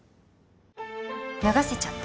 脱がせちゃった。